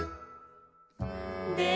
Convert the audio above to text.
で